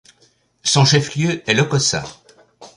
Son chef-lieu est Lokossa.